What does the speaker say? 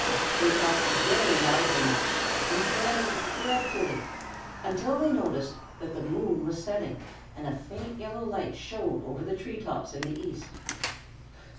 They talked very loudly now and bragged dreadfully, until they noticed that the moon was setting and a faint yellow light showed over the tree tops in the east.